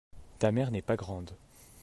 ta mère n'est pas grande.